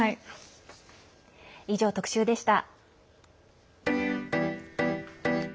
以上、特集でした。